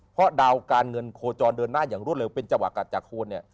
เพราะดาวการเงินโคจรเดินหน้าอย่างรวดเร็วเป็นจังหวะกัดจากโคนเนี่ย